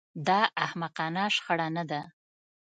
دا احمقانه شخړه نه ده